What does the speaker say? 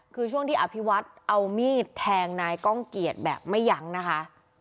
คือช่วงที่อภิวัฒน์เอามีดแทงนายก้องเกียจแบบไม่ยั้งนะคะ